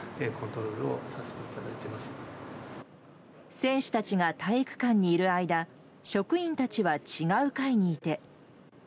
選手たちが体育館にいる間職員たちは違う階にいて。